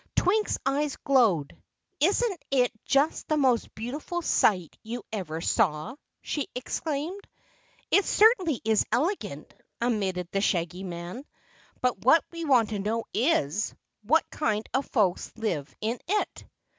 Twink's eyes glowed. "Isn't it just the most beautiful sight you ever saw!" she exclaimed. "It certainly is elegant," admitted the Shaggy Man. "But what we want to know is, what kind of folks live in it."